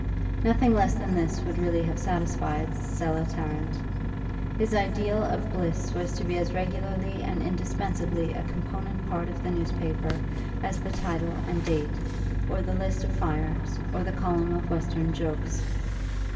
Nothing less than this would really have satisfied Selah Tarrant; his ideal of bliss was to be as regularly and indispensably a component part of the newspaper as the title and date, or the list of fires, or the column of Western jokes.